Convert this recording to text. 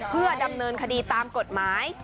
เพื่อดำเนินคดีตามกฎหมาย